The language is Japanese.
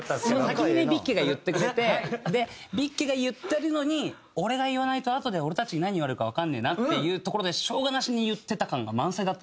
先にねビッケが言ってくれてビッケが言ってるのに俺が言わないとあとで俺たちに何言われるかわかんねえなっていうところでしょうがなしに言ってた感が満載だったんですよね。